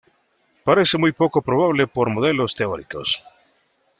Parece muy poco probable por modelos teóricos.